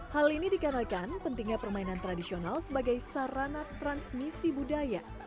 hal ini dikarenakan pentingnya permainan tradisional sebagai sarana transmisi budaya